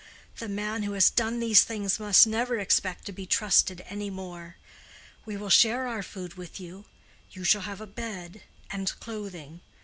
The man who has done these things must never expect to be trusted any more. We will share our food with you—you shall have a bed, and clothing.